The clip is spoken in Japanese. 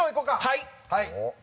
はい。